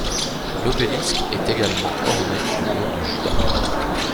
L'obélisque est également orné du Lion de Juda.